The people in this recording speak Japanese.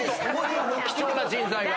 貴重な人材が！